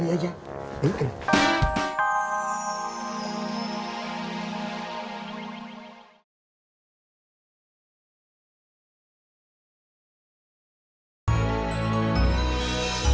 iya saja ada berapa